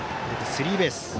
スリーベース。